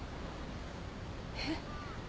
えっ？